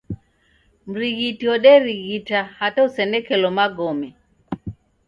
Mrighiti woderighita hata usenekelo magome.